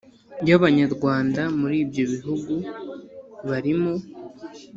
y Abanyarwanda muri ibyo bihugu barimo